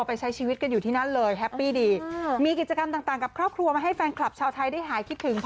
พี่จิมเจจินไตนั่นเอง